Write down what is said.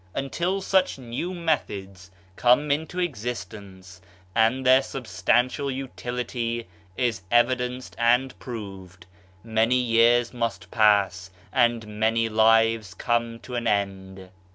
Until such new methods come into existence and their substantial utility is evidenced and proved, many years must pass, and many lives come to an end.